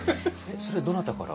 それどなたから？